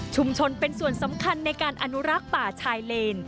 ชนเป็นส่วนสำคัญในการอนุรักษ์ป่าชายเลน